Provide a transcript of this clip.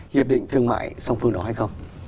hiệp định thương mại song phương đó hay không